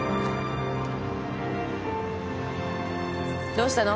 どうしたの？